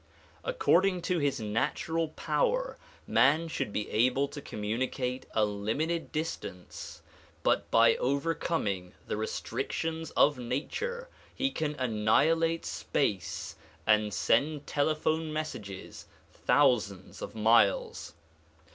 According to his natural power, man should be able to communicate a limited distance but by overcoming the restrictions of nature he can annihilate space and send telephone messages thousands of miles.